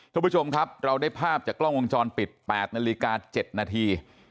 ทุกผู้ชมครับเราได้ภาพจากกล้องวงจรปิด๘นาฬิกา๗นาที